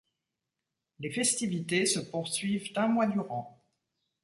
Les festivités se poursuivent un mois durant.